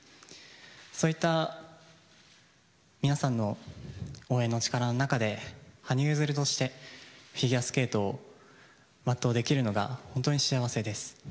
そういった皆さんの応援の力の中で、羽生結弦としてフィギュアスケートを全うできるのが本当に幸せです。